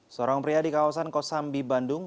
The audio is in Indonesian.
seorang pria di kawasan kosambi bandung